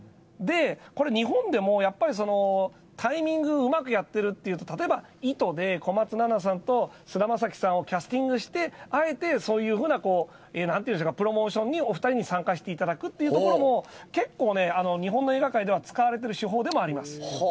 日本でも、タイミングをうまくやってるというと例えば、「糸」で小松菜奈さんと菅田将暉さんをキャスティングしてあえて、そういうふうなプロモーションにお二人に参加していただくことも結構、日本の映画界では使われている手法でもあります。